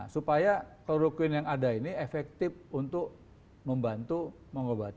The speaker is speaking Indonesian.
supaya kloroquine yang ada ini efektif untuk membantu mengobati